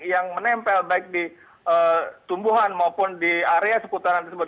yang menempel baik di tumbuhan maupun di area seputaran tersebut